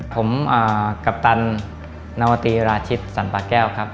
ผมกัปตันนวตรีราชิตสันป่าแก้วครับ